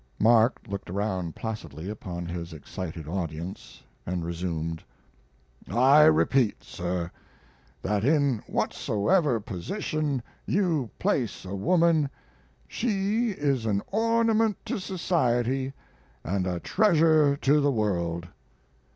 Mark looked around placidly upon his excited audience, and resumed.] I repeat, sir, that in whatsoever position you place a woman she is an ornament to society and a treasure to the world.